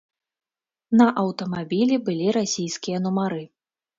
На аўтамабілі былі расійскія нумары.